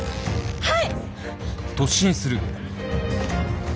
はい！